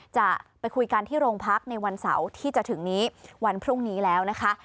จะไปคุยกันที่โรงพักในวันเสาร์ที่จะถึงนี้วันพรุ่งนี้แล้วนะคะ